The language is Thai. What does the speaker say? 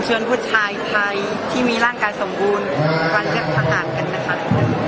เชิญผู้ชายไทยที่มีร่างกายสมบูรณ์การเลือกทหารกันนะครับ